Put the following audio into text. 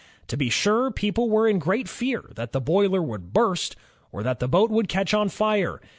To be sure, people were in great fear that the boiler would burst, or that the boat would catch on fire.